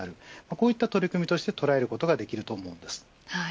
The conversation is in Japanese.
こういう取り組みとして捉えることができます。